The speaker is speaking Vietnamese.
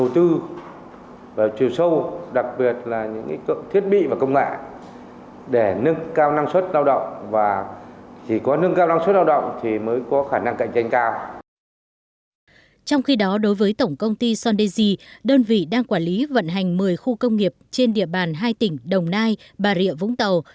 trong khi đó đối với tổng công ty sondesi đơn vị đang quản lý vận hành một mươi khu công nghiệp trên địa bàn hai tỉnh đồng nai bà rịa vũng tàu